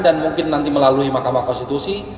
dan mungkin nanti melalui mahkamah konstitusi